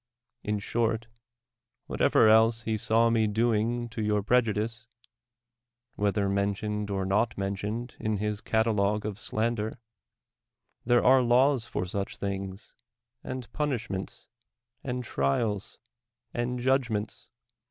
In short, what ever else he saw me doing to your prejudice, whether mentioned or not mentioned in his cata logue of slander, there are laws for such things, and punishments, and trials, and judgments.